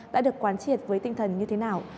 đã được quán triệt với tinh thần như thế nào